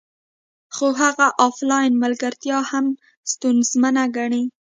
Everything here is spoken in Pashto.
خو هغه افلاین ملګرتیا هم ستونزمنه ګڼي